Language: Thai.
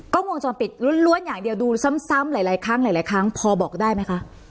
กล้องวงจรปิดล้วนอย่างเดียวดูซ้ำหลายครั้งหลายครั้งพอบอกได้ไหมคะ